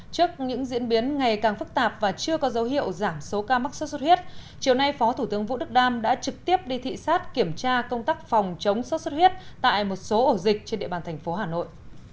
trước những diễn biến ngày càng phức tạp và chưa có dấu hiệu giảm số ca mắc sốt xuất huyết chiều nay phó thủ tướng vũ đức đam đã trực tiếp đi thị xát kiểm tra công tác phòng chống sốt xuất huyết tại một số ổ dịch trên địa bàn thành phố hà nội